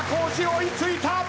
追い付いた！